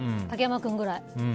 竹山君ぐらい。